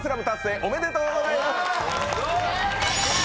おめでとうございます！